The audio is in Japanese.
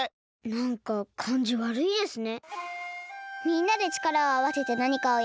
なんかかんじわるいですね。